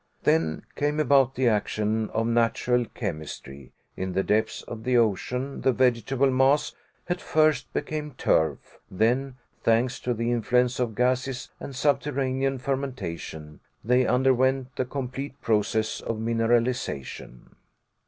Then came about the action of natural chemistry; in the depths of the ocean the vegetable mass at first became turf, then, thanks to the influence of gases and subterranean fermentation, they underwent the complete process of mineralization.